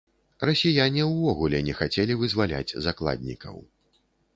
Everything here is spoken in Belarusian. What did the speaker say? Расіяне ўвогуле не хацелі вызваляць закладнікаў.